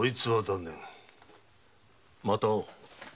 また会おう。